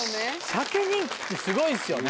しゃけ人気ってすごいんですよね